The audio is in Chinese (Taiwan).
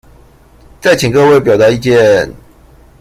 再請各位表達意見